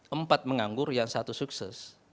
empat menganggur yang satu sukses